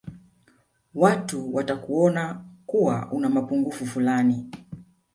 watu watakuona kuwa una mapungufu fulani